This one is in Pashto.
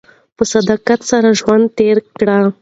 په صداقت سره ژوند تېر کړئ.